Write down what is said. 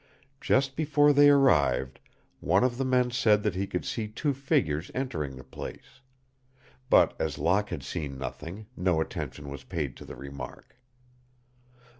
Just before they arrived one of the men said that he could see two figures entering the place. But as Locke had seen nothing, no attention was paid to the remark.